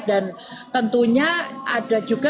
dan tentunya ada juga untuk pembersihan pembersihan di lokasi